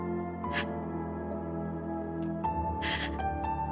あっ。